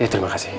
ya terima kasih